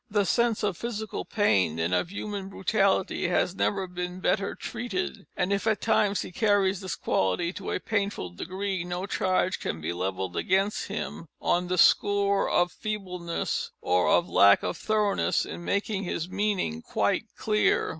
The sense of physical pain and of human brutality has never been better treated, and, if at times he carries this quality to a painful degree, no charge could be levelled against him on the score of feebleness or of lack of thoroughness in making his meaning quite clear.